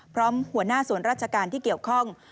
พร้อมหัวหน้าส่วนราชการที่เกี่ยวข้อง